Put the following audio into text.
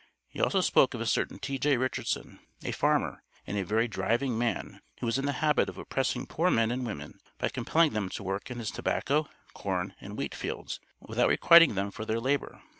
He also spoke of a certain T.J. Richardson, a farmer and a "very driving man" who was in the habit of oppressing poor men and women by compelling them to work in his tobacco, corn, and wheat fields without requiting them for their labor.